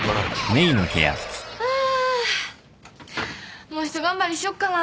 あもうひと頑張りしよっかな。